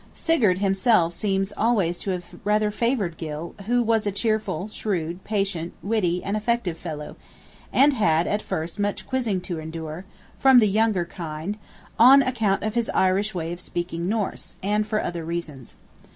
Sigurd himself seems always to have rather favored Gylle, who was a cheerful, shrewd, patient, witty, and effective fellow; and had at first much quizzing to endure, from the younger kind, on account of his Irish way of speaking Norse, and for other reasons.